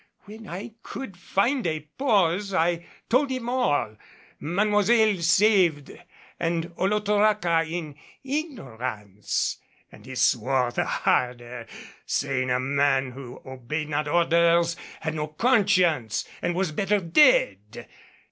When I could find a pause I told him all Mademoiselle saved and Olotoraca in ignorance; and he swore the harder, saying a man who obeyed not orders had no conscience and was better dead.